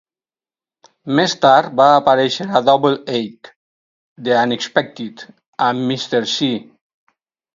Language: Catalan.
Més tard va aparèixer a "Double H: The Unexpected" amb Mr. Cee.